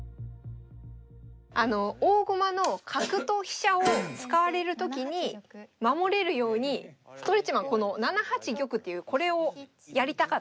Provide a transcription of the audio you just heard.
あの大駒の角と飛車を使われる時に守れるようにストレッチマンこの７八玉っていうこれをやりたかったんですよ。